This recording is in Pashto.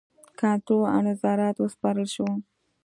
کنټرول او نظارت وسپارل شو.